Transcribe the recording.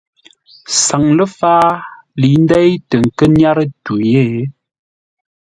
Saŋ ləfǎa lə̌i ndéi tə nkə́ nyárə́ tû yé.